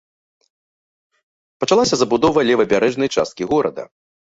Пачалася забудова левабярэжнай часткі горада.